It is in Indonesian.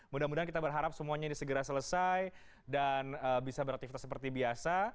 mudah mudahan kita berharap semuanya ini segera selesai dan bisa beraktivitas seperti biasa